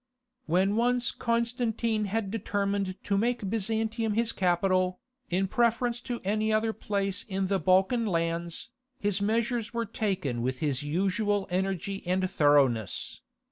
When once Constantine had determined to make Byzantium his capital, in preference to any other place in the Balkan lands, his measures were taken with his usual energy and thoroughness.